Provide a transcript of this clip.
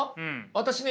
私ね